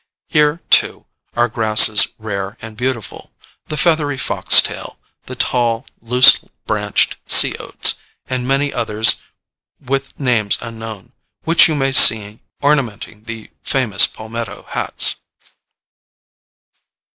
Here too are grasses rare and beautiful the feathery fox tail, the tall, loose branched sea oats, and many others with names unknown, which you may see ornamenting the famous palmetto hats.